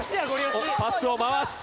パスを回す！